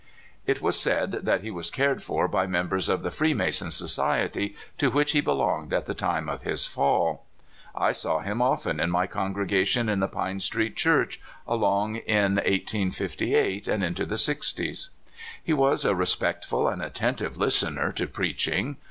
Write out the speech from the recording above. It was said that he was cared for by members of the Freemason society, to which he belonged at the time of his fall. I saw him often in my congregation in the Pine Street church, along in 1858, and into the sixties. He was a re spectful and attentive listener to preaching.